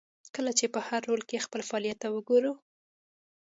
کله چې په هر رول کې خپل فعالیت ته وګورو.